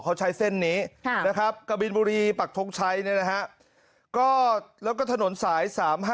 เขาใช้เส้นนี้นะครับกระบิลบุรีปากโช๊คชัยแล้วก็ถนนสาย๓๕๙